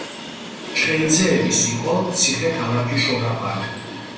ჩხეიძეების იყო ციხე ქალაქი შორაპანი.